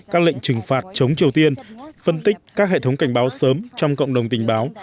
các lệnh trừng phạt chống triều tiên phân tích các hệ thống cảnh báo sớm trong cộng đồng tình báo